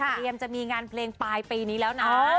เปรียมจะมีงานเพลงปลายปีนี้แล้วนะคะ